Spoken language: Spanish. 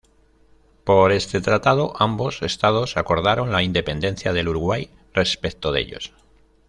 Por este tratado ambos estados acordaron la independencia del Uruguay respecto de ellos.